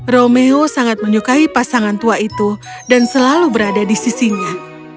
romeo sangat menyukai pasangan tua itu dan selalu berada di sisinya